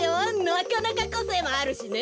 なかなかこせいもあるしね。